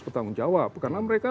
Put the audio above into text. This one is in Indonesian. bertanggung jawab karena mereka